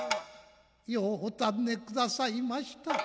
「ようお尋ねくださいました。